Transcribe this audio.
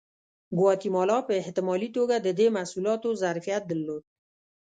ګواتیمالا په احتمالي توګه د دې محصولاتو ظرفیت درلود.